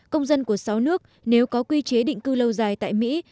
công dân của sáu nước nếu có quy chế định cư lâu dài tại mỹ